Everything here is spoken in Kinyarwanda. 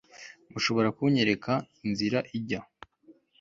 mushobora kunyereka inzira ijya